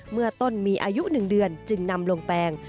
เมื่อต้นมีอายุ๑เดือนจึงนำลงแปลง